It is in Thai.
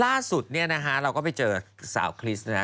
ล่าสุดเนี่ยนะฮะเราก็ไปเจอสาวคริสต์นะฮะ